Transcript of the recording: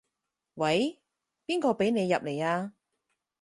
喂，邊個畀你入來啊？